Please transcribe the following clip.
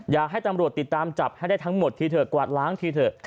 อยากให้ตำรวจติดตามจับให้ได้ทั้งหมดทีเถอะกวาดล้างทีเถอะ